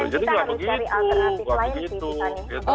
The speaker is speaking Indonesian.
jadi tidak begitu